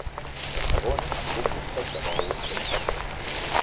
De segon amb un bistec de bou ben poc fet.